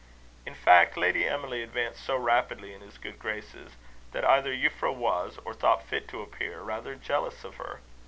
In fact, Lady Emily advanced so rapidly in his good graces, that either Euphra was, or thought fit to appear, rather jealous of her.